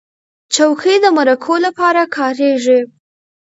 چوکۍ د مرکو لپاره کارېږي.